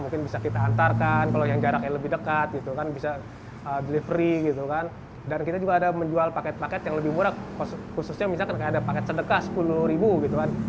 kita juga ada yang menjual paket paket yang lebih murah khususnya misalkan ada paket sedekah rp sepuluh gitu kan